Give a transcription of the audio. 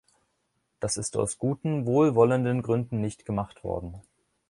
Das ist aus guten, wohlwollenden Gründen nicht gemacht worden.